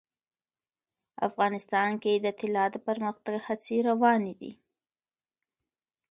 افغانستان کې د طلا د پرمختګ هڅې روانې دي.